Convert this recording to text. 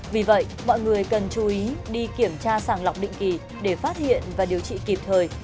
vì vậy mọi người cần chú ý đi kiểm tra sàng lọc định kỳ để phát hiện và điều trị kịp thời